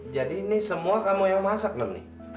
jadi ini semua kamu yang masak inam